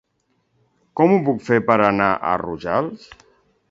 Com ho puc fer per anar a Rojals?